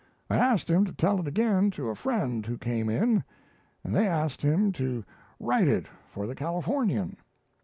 I asked him to tell it again to a friend who came in, and they asked him to write it for 'The Californian'.